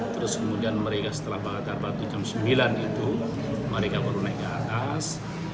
terus kemudian mereka setelah bakar batu jam sembilan itu mereka baru naik ke atas